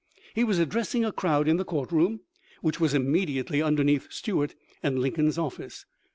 He was addressing a crowd in the court room, which was immediately underneath Stuart and Lincoln's offlce.